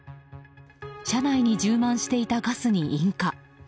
車内に充満していたガスに引火。